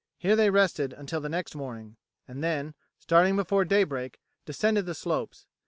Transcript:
Here they rested until the next morning, and then, starting before daybreak, descended the slopes.